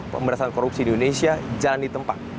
pemberantasan korupsi di indonesia jalan di tempat